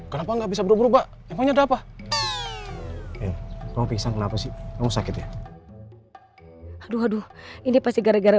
kenapa nggak bisa berubah ubah emangnya ada apa apa sih kamu sakit ya aduh ini pasti gara gara